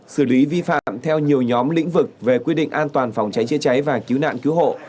xử lý vi phạm theo nhiều nhóm lĩnh vực về quy định an toàn phòng cháy chế cháy và cứu nạn cứu hộ